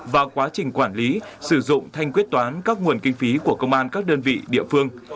và quá trình quản lý sử dụng thanh quyết toán các nguồn kinh phí của công an các đơn vị địa phương